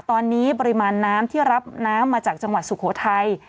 ตอนนี้ปริมาณน้ำที่รับน้ำมาจากจังหวัดสุโขทัย